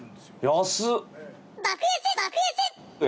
安っ。